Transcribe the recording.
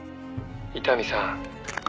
「伊丹さん」